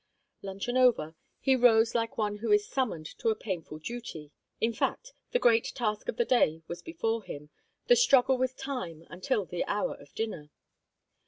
Luncheon over, he rose like one who is summoned to a painful duty; in fact, the great task of the day was before him the struggle with time until the hour of dinner.